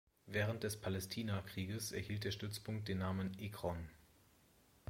Während des Palästinakrieges erhielt der Stützpunkt den Namen "Ekron".